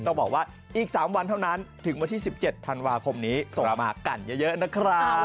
ต้องบอกว่าอีก๓วันเท่านั้นถึงวันที่๑๗ธันวาคมนี้ส่งมากันเยอะนะครับ